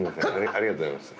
ありがとうございます。